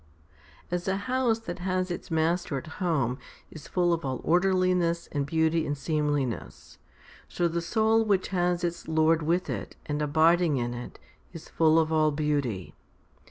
3. As a house that has its master at home is full of all orderliness and beauty and seemliness, so the soul which has its Lord with it, and abiding in it, is full of all beauty.